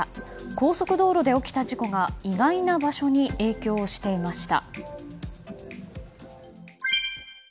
高速道路で起きた事故が意外な場所に影響していました。